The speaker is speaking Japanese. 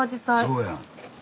そうやん。